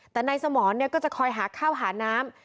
แต่นายสมรก็จะคอยหาข้าวหาน้ำ